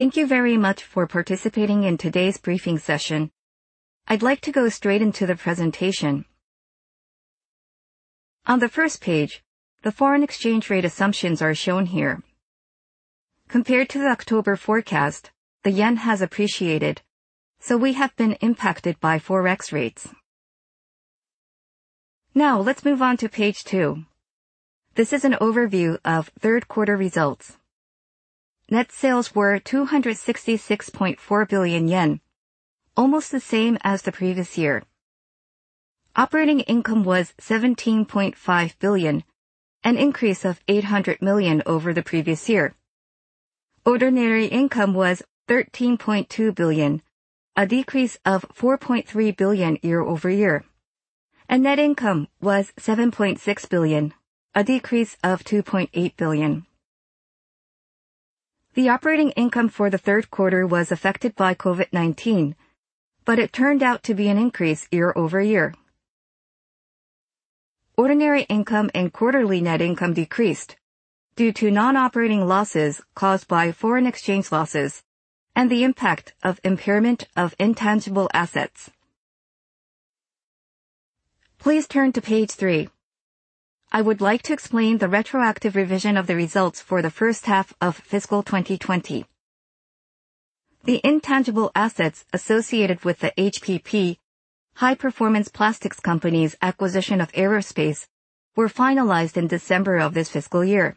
Thank you very much for participating in today's briefing session. I'd like to go straight into the presentation. On the first page, the foreign exchange rate assumptions are shown here. Compared to the October forecast, the yen has appreciated, so we have been impacted by Forex rates. Now, let's move on to page two. This is an overview of third quarter results. Net sales were 266.4 billion yen, almost the same as the previous year. Operating income was 17.5 billion, an increase of 800 million over the previous year. Ordinary income was 13.2 billion, a decrease of 4.3 billion year-over-year. Net income was 7.6 billion, a decrease of 2.8 billion. The operating income for the third quarter was affected by COVID-19, but it turned out to be an increase year-over-year. Ordinary income and quarterly net income decreased due to non-operating losses caused by foreign exchange losses and the impact of impairment of intangible assets. Please turn to page three. I would like to explain the retroactive revision of the results for the first half of fiscal 2020. The intangible assets associated with the HPP, High Performance Plastics company's acquisition of SEKISUI Aerospace were finalized in December of this fiscal year.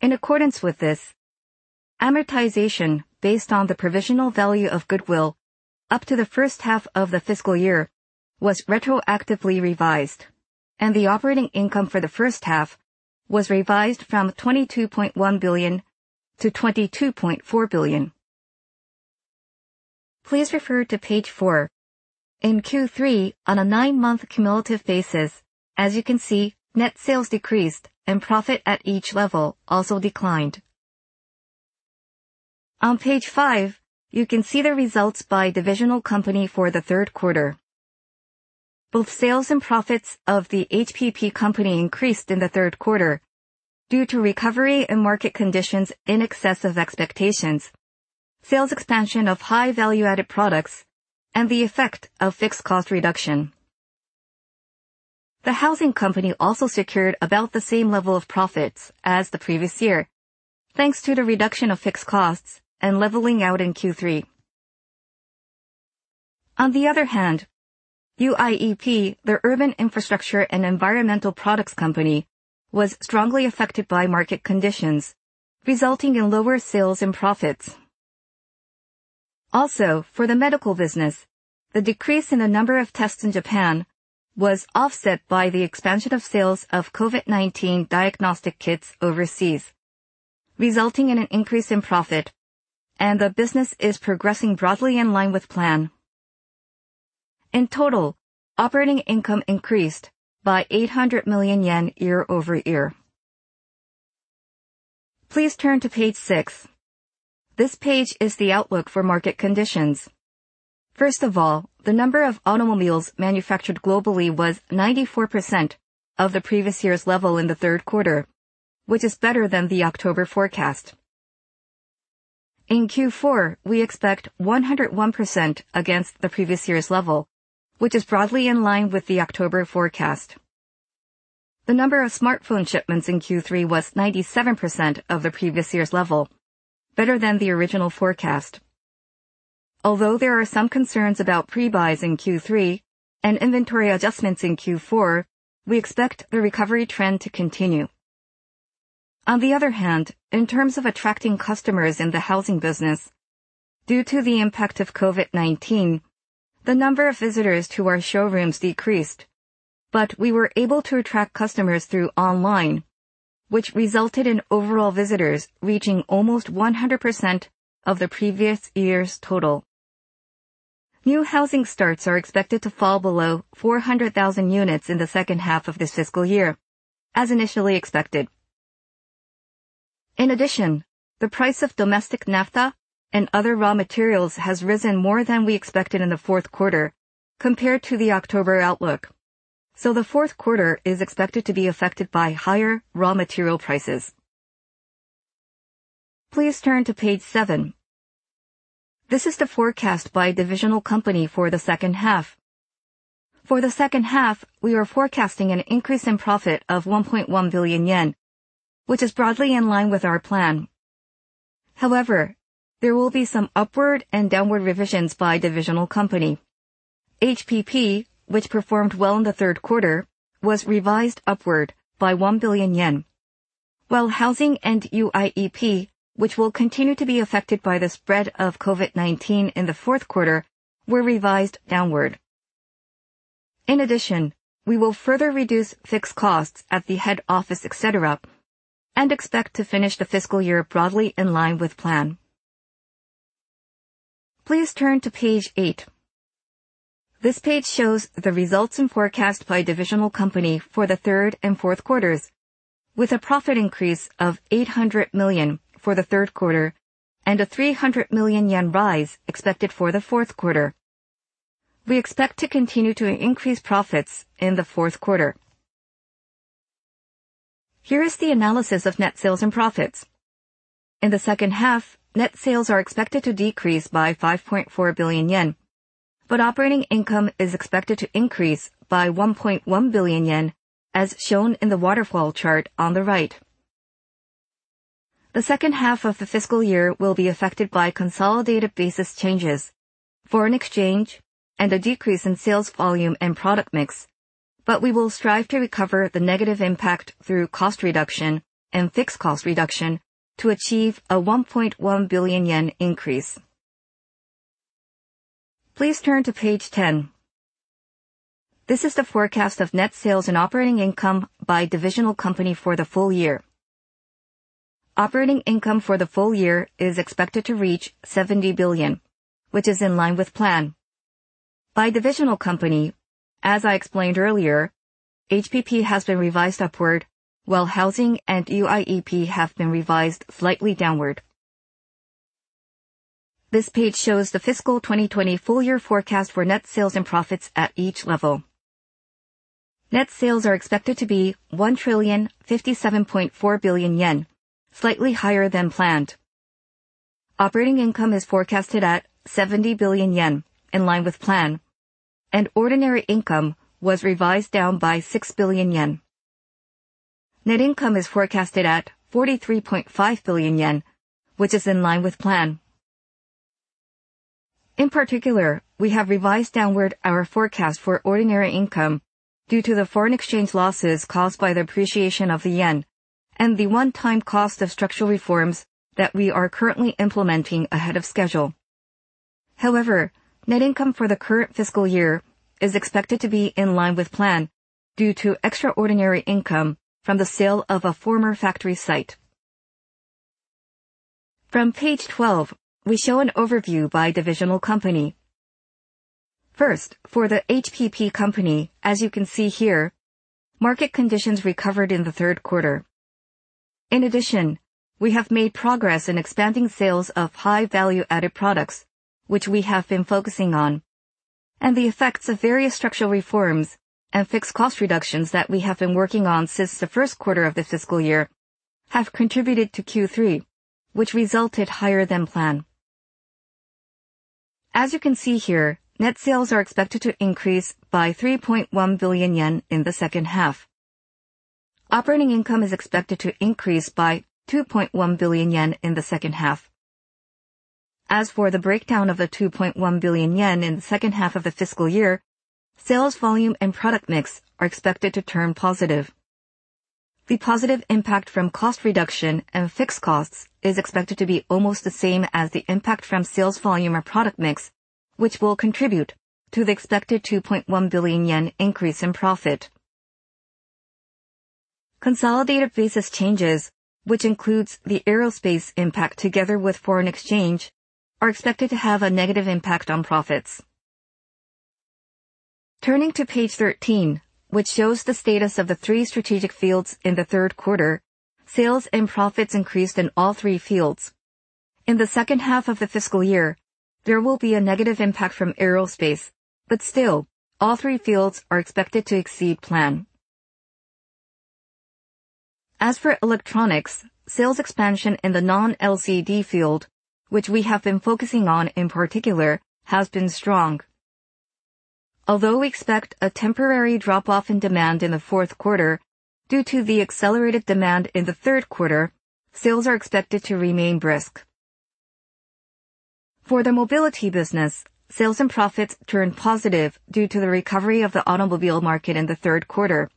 In accordance with this, amortization based on the provisional value of goodwill up to the first half of the fiscal year was retroactively revised, and the operating income for the first half was revised from 22.1 billion to 22.4 billion. Please refer to page four. In Q3, on a nine-month cumulative basis, as you can see, net sales decreased and profit at each level also declined. On page five, you can see the results by divisional company for the third quarter. Both sales and profits of the HPP company increased in the third quarter due to recovery and market conditions in excess of expectations, sales expansion of high value-added products, and the effect of fixed cost reduction. The housing company also secured about the same level of profits as the previous year, thanks to the reduction of fixed costs and leveling out in Q3. On the other hand, UIEP, the Urban Infrastructure and Environmental Products company, was strongly affected by market conditions, resulting in lower sales and profits. Also, for the medical business, the decrease in the number of tests in Japan was offset by the expansion of sales of COVID-19 diagnostic kits overseas, resulting in an increase in profit and the business is progressing broadly in line with plan. In total, operating income increased by 800 million yen year-over-year. Please turn to page six. This page is the outlook for market conditions. First of all, the number of automobiles manufactured globally was 94% of the previous year's level in the third quarter, which is better than the October forecast. In Q4, we expect 101% against the previous year's level, which is broadly in line with the October forecast. The number of smartphone shipments in Q3 was 97% of the previous year's level, better than the original forecast. Although there are some concerns about pre-buys in Q3 and inventory adjustments in Q4, we expect the recovery trend to continue. On the other hand, in terms of attracting customers in the housing business, due to the impact of COVID-19, the number of visitors to our showrooms decreased, but we were able to attract customers through online, which resulted in overall visitors reaching almost 100% of the previous year's total. New housing starts are expected to fall below 400,000 units in the second half of this fiscal year, as initially expected. In addition, the price of domestic naphtha and other raw materials has risen more than we expected in the fourth quarter compared to the October outlook. The fourth quarter is expected to be affected by higher raw material prices. Please turn to page seven. This is the forecast by divisional company for the second half. For the second half, we are forecasting an increase in profit of 1.1 billion yen, which is broadly in line with our plan. However, there will be some upward and downward revisions by divisional company. HPP, which performed well in the third quarter, was revised upward by 1 billion yen, while housing and UIEP, which will continue to be affected by the spread of COVID-19 in the fourth quarter, were revised downward. In addition, we will further reduce fixed costs at the head office, et cetera, and expect to finish the fiscal year broadly in line with plan. Please turn to page eight. This page shows the results and forecast by divisional company for the third and fourth quarters, with a profit increase of 800 million for the third quarter and a 300 million yen rise expected for the fourth quarter. We expect to continue to increase profits in the fourth quarter. Here is the analysis of net sales and profits. In the second half, net sales are expected to decrease by 5.4 billion yen, but operating income is expected to increase by 1.1 billion yen, as shown in the waterfall chart on the right. The second half of the fiscal year will be affected by consolidated basis changes, foreign exchange, and a decrease in sales volume and product mix. We will strive to recover the negative impact through cost reduction and fixed cost reduction to achieve a 1.1 billion yen increase. Please turn to page 10. This is the forecast of net sales and operating income by divisional company for the full year. Operating income for the full year is expected to reach 70 billion, which is in line with plan. By divisional company, as I explained earlier, HPP has been revised upward, while housing and UIEP have been revised slightly downward. This page shows the fiscal 2020 full year forecast for net sales and profits at each level. Net sales are expected to be 1.574 trillion, slightly higher than planned. Operating income is forecasted at 70 billion yen, in line with plan, and ordinary income was revised down by 6 billion yen. Net income is forecasted at 43.5 billion yen, which is in line with plan. In particular, we have revised downward our forecast for ordinary income due to the foreign exchange losses caused by the appreciation of the yen and the one-time cost of structural reforms that we are currently implementing ahead of schedule. However, net income for the current fiscal year is expected to be in line with plan due to extraordinary income from the sale of a former factory site. From page 12, we show an overview by divisional company. First, for the HPP Company, as you can see here, market conditions recovered in the third quarter. In addition, we have made progress in expanding sales of high-value-added products, which we have been focusing on. The effects of various structural reforms and fixed cost reductions that we have been working on since the first quarter of the fiscal year have contributed to Q3, which resulted higher than plan. As you can see here, net sales are expected to increase by 3.1 billion yen in the second half. Operating income is expected to increase by 2.1 billion yen in the second half. As for the breakdown of the 2.1 billion yen in the second half of the fiscal year, sales volume and product mix are expected to turn positive. The positive impact from cost reduction and fixed costs is expected to be almost the same as the impact from sales volume or product mix, which will contribute to the expected 2.1 billion yen increase in profit. Consolidated basis changes, which includes the Aerospace impact together with foreign exchange, are expected to have a negative impact on profits. Turning to page 13, which shows the status of the three strategic fields in the third quarter, sales and profits increased in all three fields. In the second half of the fiscal year, there will be a negative impact from aerospace, but still, all three fields are expected to exceed plan. As for electronics, sales expansion in the non-LCD field, which we have been focusing on in particular, has been strong. Although we expect a temporary drop-off in demand in the fourth quarter due to the accelerated demand in the third quarter, sales are expected to remain brisk. For the mobility business, sales and profits turned positive due to the recovery of the automobile market in the third quarter.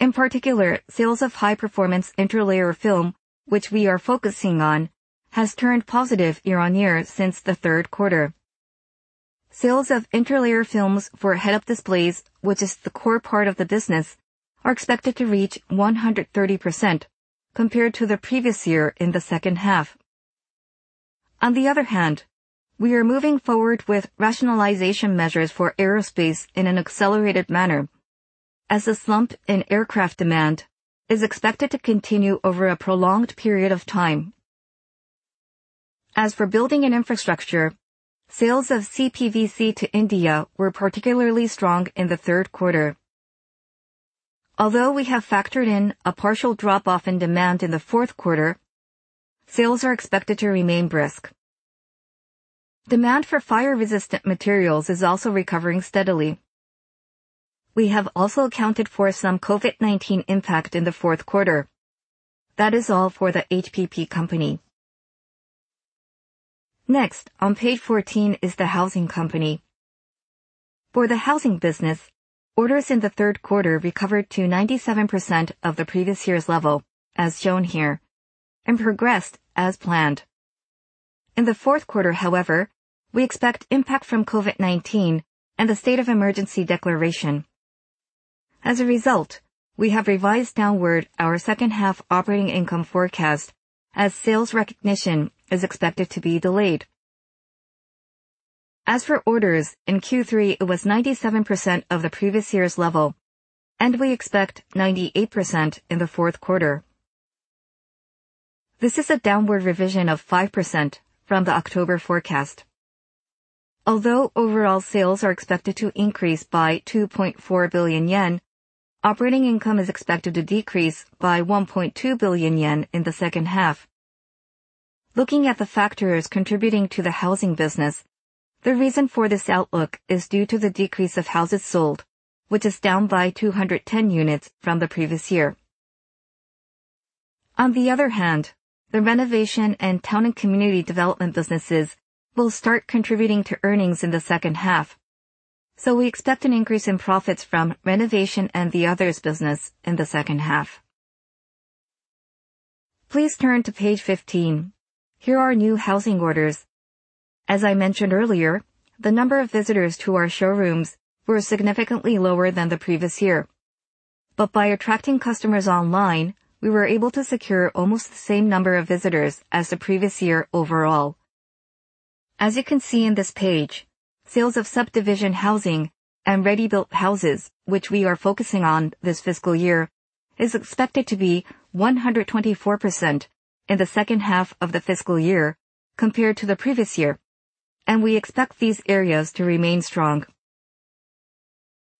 In particular, sales of high-performance interlayer film, which we are focusing on, has turned positive year-on-year since the third quarter. Sales of interlayer films for head-up displays, which is the core part of the business, are expected to reach 130% compared to the previous year in the second half. On the other hand, we are moving forward with rationalization measures for aerospace in an accelerated manner, as the slump in aircraft demand is expected to continue over a prolonged period of time. As for building and infrastructure, sales of CPVC to India were particularly strong in the third quarter. Although we have factored in a partial drop-off in demand in the fourth quarter, sales are expected to remain brisk. Demand for fire-resistant materials is also recovering steadily. We have also accounted for some COVID-19 impact in the fourth quarter. That is all for the HPP company. Next, on page 14 is the housing company. For the housing business, orders in the third quarter recovered to 97% of the previous year's level, as shown here, and progressed as planned. In the fourth quarter, however, we expect impact from COVID-19 and a state of emergency declaration. As a result, we have revised downward our second half operating income forecast as sales recognition is expected to be delayed. As for orders, in Q3, it was 97% of the previous year's level, and we expect 98% in the fourth quarter. This is a downward revision of 5% from the October forecast. Although overall sales are expected to increase by 2.4 billion yen, operating income is expected to decrease by 1.2 billion yen in the second half. Looking at the factors contributing to the housing business, the reason for this outlook is due to the decrease of houses sold, which is down by 210 units from the previous year. On the other hand, the renovation and town and community development businesses will start contributing to earnings in the second half. We expect an increase in profits from renovation and the others business in the second half. Please turn to page 15. Here are new housing orders. As I mentioned earlier, the number of visitors to our showrooms were significantly lower than the previous year. By attracting customers online, we were able to secure almost the same number of visitors as the previous year overall. As you can see on this page, sales of subdivision housing and ready-built houses, which we are focusing on this fiscal year, is expected to be 124% in the second half of the fiscal year compared to the previous year, and we expect these areas to remain strong.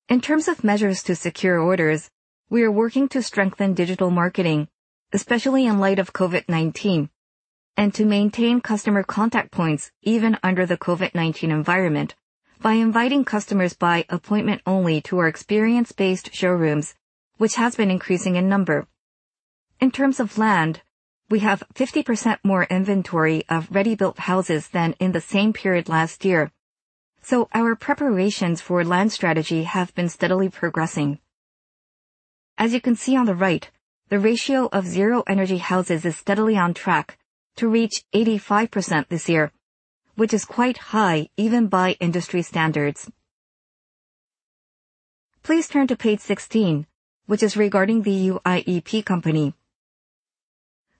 In terms of measures to secure orders, we are working to strengthen digital marketing, especially in light of COVID-19, and to maintain customer contact points even under the COVID-19 environment by inviting customers by appointment only to our experience-based showrooms, which has been increasing in number. In terms of land, we have 50% more inventory of ready-built houses than in the same period last year. Our preparations for land strategy have been steadily progressing. As you can see on the right, the ratio of Zero Energy Houses is steadily on track to reach 85% this year, which is quite high even by industry standards. Please turn to page 16, which is regarding the UIEP company.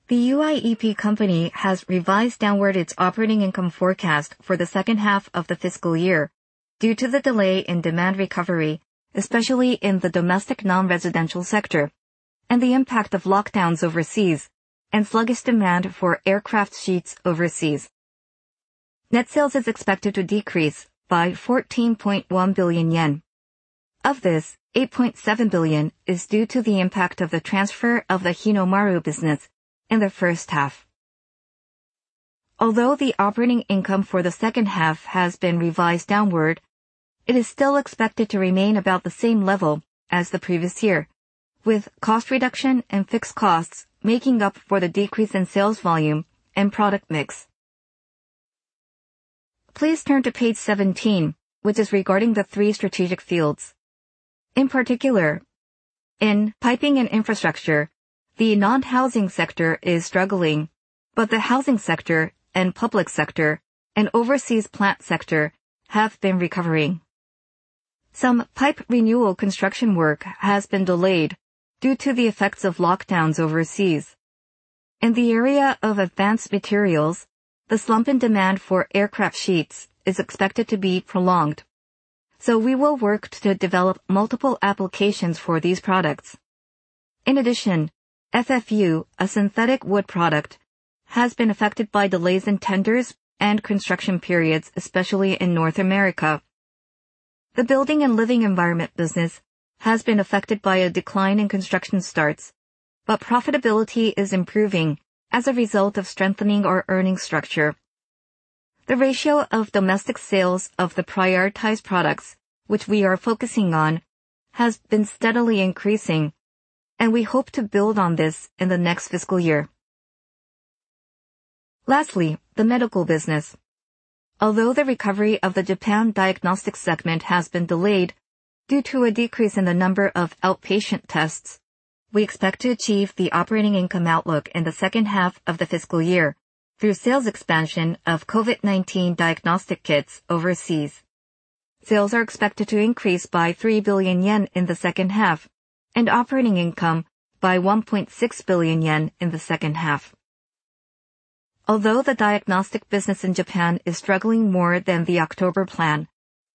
The UIEP company has revised downward its operating income forecast for the second half of the fiscal year due to the delay in demand recovery, especially in the domestic non-residential sector, and the impact of lockdowns overseas and sluggish demand for aircraft sheets overseas. Net sales is expected to decrease by 14.1 billion yen. Of this, 8.7 billion is due to the impact of the transfer of the Hinomaru business in the first half. Although the operating income for the second half has been revised downward, it is still expected to remain about the same level as the previous year, with cost reduction and fixed costs making up for the decrease in sales volume and product mix. Please turn to page 17, which is regarding the three strategic fields. In piping and infrastructure, the non-housing sector is struggling, but the housing sector and public sector and overseas plant sector have been recovering. Some pipe renewal construction work has been delayed due to the effects of lockdowns overseas. In the area of advanced materials, the slump in demand for aircraft sheets is expected to be prolonged. We will work to develop multiple applications for these products. In addition, FFU, a synthetic wood product, has been affected by delays in tenders and construction periods, especially in North America. The building and living environment business has been affected by a decline in construction starts, but profitability is improving as a result of strengthening our earning structure. The ratio of domestic sales of the prioritized products, which we are focusing on, has been steadily increasing, and we hope to build on this in the next fiscal year. Lastly, the medical business. Although the recovery of the Japan diagnostics segment has been delayed due to a decrease in the number of outpatient tests, we expect to achieve the operating income outlook in the second half of the fiscal year through sales expansion of COVID-19 diagnostic kits overseas. Sales are expected to increase by 3 billion yen in the second half and operating income by 1.6 billion yen in the second half. Although the diagnostic business in Japan is struggling more than the October plan,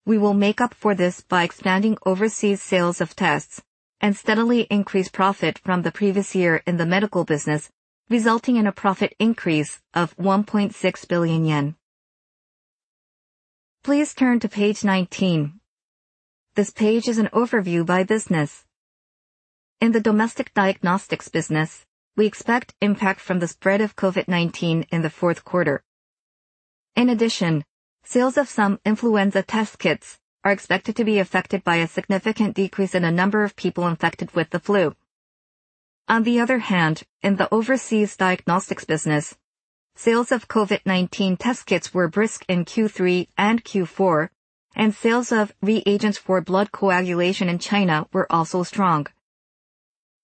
we will make up for this by expanding overseas sales of tests and steadily increase profit from the previous year in the medical business, resulting in a profit increase of 1.6 billion yen. Please turn to page 19. This page is an overview by business. In the domestic diagnostics business, we expect impact from the spread of COVID-19 in the fourth quarter. In addition, sales of some influenza test kits are expected to be affected by a significant decrease in the number of people infected with the flu. On the other hand, in the overseas diagnostics business, sales of COVID-19 test kits were brisk in Q3 and Q4, and sales of reagents for blood coagulation in China were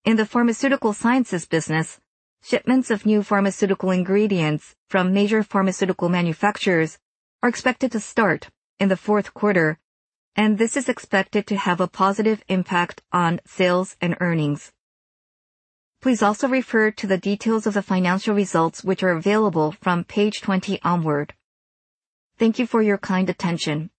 also strong. In the pharmaceutical sciences business, shipments of new pharmaceutical ingredients from major pharmaceutical manufacturers are expected to start in the fourth quarter, and this is expected to have a positive impact on sales and earnings. Please also refer to the details of the financial results, which are available from page 20 onward. Thank you for your kind attention.